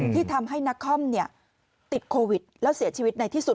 ที่ทำให้นักคอมติดโควิดแล้วเสียชีวิตในที่สุด